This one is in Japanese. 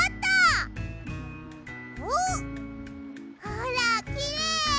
ほらきれい。